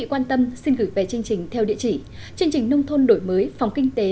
và các bạn xin gửi về chương trình theo địa chỉ chương trình nông thôn đổi mới phòng kinh tế